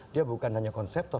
dia bukan hanya konseptor